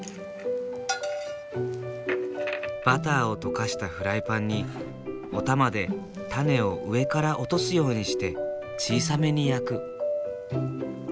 バターを溶かしたフライパンにおたまで種を上から落とすようにして小さめに焼く。